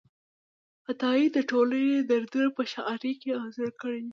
عطایي د ټولنې دردونه په شاعرۍ کې انځور کړي دي.